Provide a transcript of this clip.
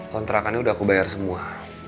kontrakannya udah aku bayar semua